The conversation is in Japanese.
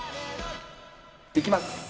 いきます。